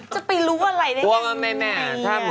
จะไปรู้ว่าไหนนี่มีนะอาจริงฮะจริงกลัวมันไม่แม่